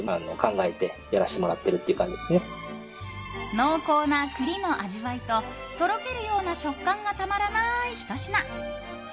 濃厚な栗の味わいととろけるような食感がたまらないひと品。